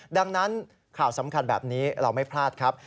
ดังนั้นข่าวสำคัญแบบนี้เราไม่พลาดครับ